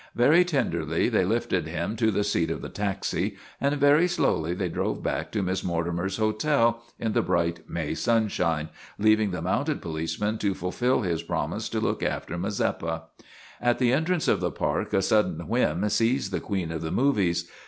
Very tenderly they lifted him to the seat of the taxi, and very slowly they drove back to Miss Morti mer's hotel in the bright May sunshine, leaving the mounted policeman to fulfil his promise to look after Mazeppa. At the entrance of the Park a sudden whim seized the Queen of the Movies.